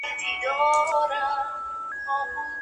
آیا په دې سیمه کې د جمعې لمونځ په جومات کې کیږي؟